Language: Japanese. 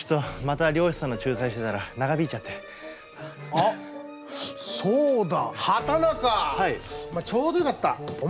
あっそうだ！